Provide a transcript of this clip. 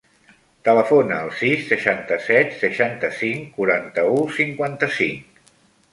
Telefona al sis, seixanta-set, seixanta-cinc, quaranta-u, cinquanta-cinc.